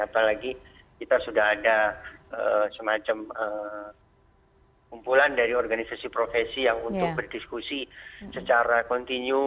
apalagi kita sudah ada semacam kumpulan dari organisasi profesi yang untuk berdiskusi secara kontinu